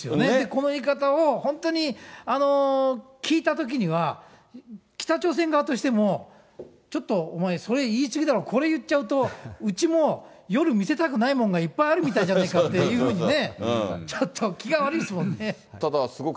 この言い方を本当に聞いたときには、北朝鮮側としても、ちょっとお前、それ言いすぎだろ、これ言っちゃうと、うちも夜見せたくないもんがいっぱいあるみたいじゃないっていうふうにね、ちょっと気が悪いですもんね。